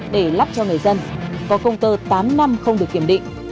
để lắp cho người dân có công tơ tám năm không được kiểm định